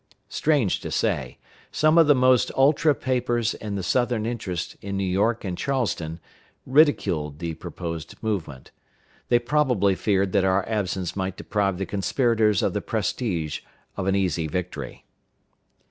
Strange to say, some of the most ultra papers in the Southern interest in New York and Charleston ridiculed the proposed movement. They probably feared that our absence might deprive the conspirators of the prestige of an easy victory.